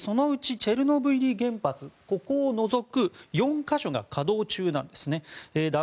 そのうちチェルノブイリ原発を除く４か所が稼働中なんですね。